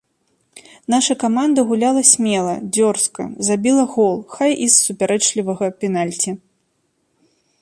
Наша каманда гуляла смела, дзёрзка, забіла гол, хай і з супярэчлівага пенальці.